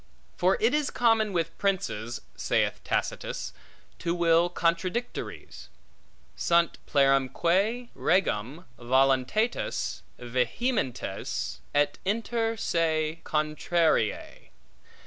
For it is common with princes (saith Tacitus) to will contradictories, Sunt plerumque regum voluntates vehementes, et inter se contrariae.